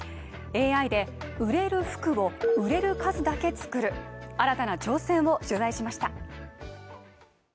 ＡＩで売れる服を、売れる数だけ作る新たな挑戦を取材しました。